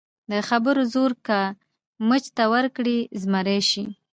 د خبرو زور که مچ ته ورکړې، زمری شي.